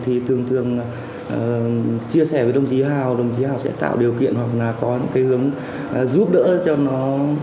thì thường thường chia sẻ với đồng chí hào đồng chí hào sẽ tạo điều kiện hoặc là có những cái hướng giúp đỡ cho nó